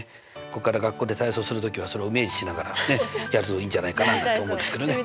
ここから学校で体操する時はそれをイメージしながらねやるといいんじゃないかななんて思うんですけどね。